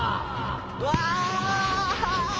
うわ！